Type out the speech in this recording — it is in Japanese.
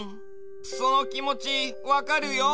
そのきもちわかるよ。